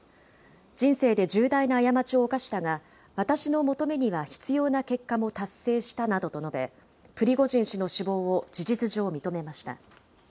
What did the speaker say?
人生で重大な過ちを犯したが、私の求めには必要な結果も達成したなどと述べ、プリゴジン氏の死亡を事実上認めました。